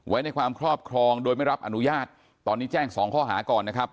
ไว้ในความครอบครองโดยไม่รับอนุญาตตอนนี้แจ้งสองข้อหาก่อนนะครับ